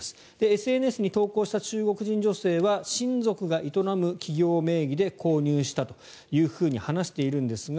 ＳＮＳに投稿した中国人女性は親族が営む企業名義で購入したと話しているんですが